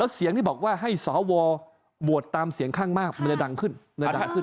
แล้วเสียงที่บอกว่าให้สอวรโหดตามเสียงข้างมากมันจะดังขึ้น